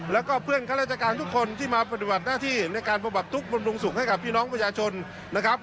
แล้วก็เพื่อนข้าราชการทุกคนที่มาปฏิบัติหน้าที่ในการประดับทุกข์บำรุงสุขให้กับพี่น้องประชาชนนะครับ